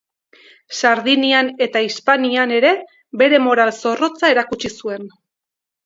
Sardinian eta Hispanian ere bere moral zorrotza erakutsi zuen.